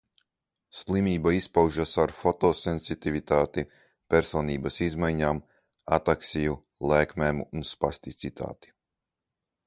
Slimība izpaužas ar fotosensitivitāti, personības izmaiņām, ataksiju, lēkmēm un spasticitāti.